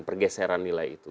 pergeseran nilai itu